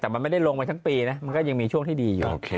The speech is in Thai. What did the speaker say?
แต่มันไม่ได้ลงไปทั้งปีนะมันก็ยังมีช่วงที่ดีอยู่